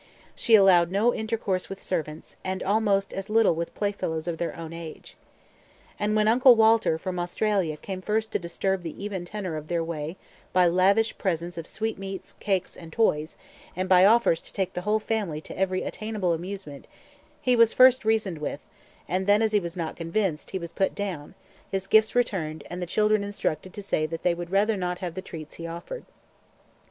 She allowed no intercourse with servants, and almost as little with playfellows of their own age. And when Uncle Walter from Australia came first to disturb the even tenor of their way by lavish presents of sweetmeats, cakes, and toys, and by offers to take the whole family to every attainable amusement, he was first reasoned with, and then, as he was not convinced, he was put down, his gifts returned, and the children instructed to say that they would rather not have the treats he offered.